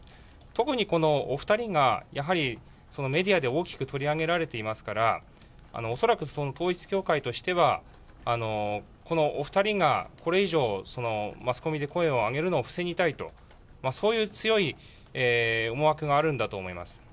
特にこのお２人が、やはりメディアで大きく取り上げられていますから、恐らくその統一教会としては、このお２人がこれ以上、マスコミで声を上げるのを防ぎたいと、そういう強い思惑があるんだと思います。